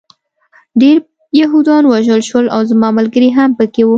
ډېر یهودان ووژل شول او زما ملګري هم پکې وو